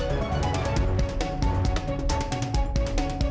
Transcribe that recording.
yuk kita kesana yuk